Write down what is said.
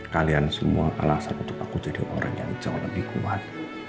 kalian semua alasan untuk aku jadi orang yang jauh lebih kuat